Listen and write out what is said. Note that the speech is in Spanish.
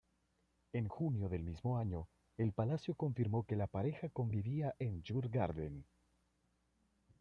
En junio del mismo año el palacio confirmó que la pareja convivía en Djurgården.